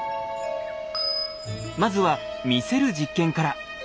まずは見せる実験から。